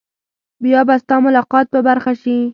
بیا به ستا ملاقات په برخه شي.